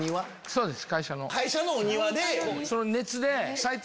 そうです。